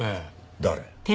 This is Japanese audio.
誰？